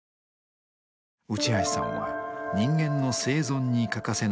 内橋さんは人間の生存に欠かせない